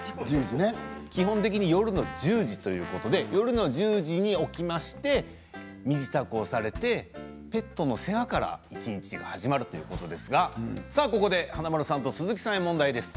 基本的に夜の１０時ということで夜の１０時に起きまして身支度をされてペットの世話から一日が始まるということなんですがここで華丸さんと鈴木さんに問題です。